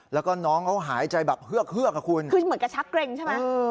แล้วก็น้องเขาหายใจแบบเฮือกเฮือกอ่ะคุณคือเหมือนกับชักเกร็งใช่ไหม